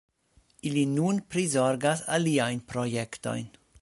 Ili nun prizorgas aliajn projektojn.